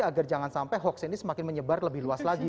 agar jangan sampai hoax ini semakin menyebar lebih luas lagi